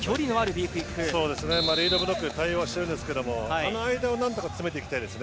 リードブロックで対応はしているんですがあの間をなんとか詰めていきたいですね。